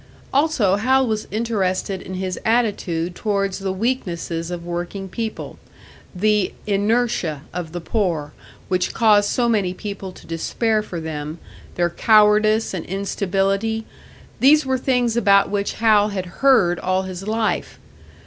Also Hal was interested in his attitude towards the weaknesses of working people. The "inertia" of the poor, which caused so many people to despair for them their cowardice and instability these were things about which Hal had heard all his life.